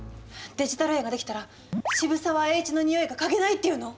デジタル円ができたら渋沢栄一の匂いが嗅げないっていうの？